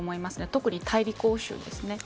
特に大陸欧州ですね。